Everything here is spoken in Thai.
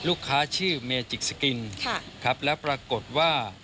ลูกค้าชื่อเมจิกสกิลค่ะครับแล้วปรากฏว่า